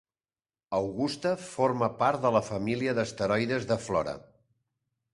Augusta forma part de la família d'asteroides de Flora.